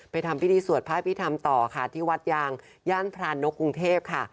ทำพิธีสวดพระพิธรรมต่อค่ะที่วัดยางย่านพรานกกรุงเทพค่ะ